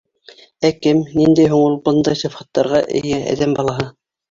Ә кем, ниндәй һуң ул бындай сифаттарға эйә әҙәм балаһы?